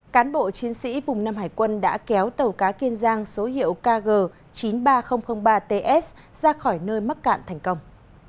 cán bộ chiến sĩ vùng năm hải quân đã kéo tàu cá kiên giang số hiệu kg chín mươi ba nghìn ba ts ra khỏi nơi mắc cạn thành công